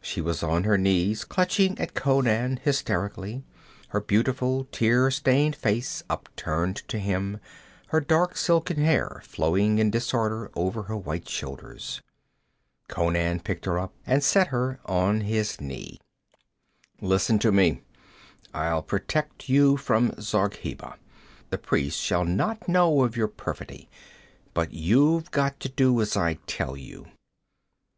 She was on her knees, clutching at Conan hysterically, her beautiful tear stained face upturned to him, her dark silken hair flowing in disorder over her white shoulders. Conan picked her up and set her on his knee. 'Listen to me. I'll protect you from Zargheba. The priests shall not know of your perfidy. But you've got to do as I tell you.'